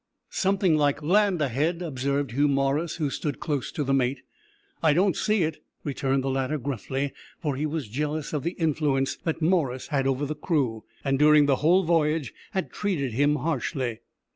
"Something like land ahead," observed Hugh Morris, who stood close to the mate. "I don't see it," returned the latter, gruffly, for he was jealous of the influence that Morris had over the crew, and, during the whole voyage, had treated him harshly.